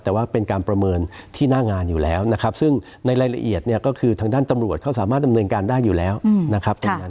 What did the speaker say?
แต่ว่าเป็นการประเมินที่หน้างานอยู่แล้วนะครับซึ่งในรายละเอียดเนี่ยก็คือทางด้านตำรวจเขาสามารถดำเนินการได้อยู่แล้วนะครับตรงนั้น